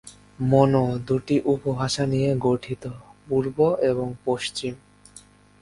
Mono দুটি উপভাষা নিয়ে গঠিত, "পূর্ব" এবং "পশ্চিম"।